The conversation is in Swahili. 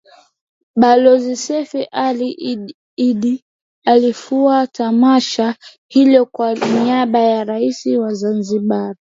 Balozi Seif Ali Iddi alifungua tamasha hilo kwa niaba ya Rais wa Zanzibar